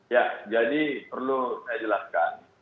ya jadi perlu saya jelaskan